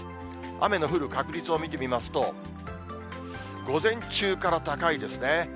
雨の降る確率を見てみますと、午前中から高いですね。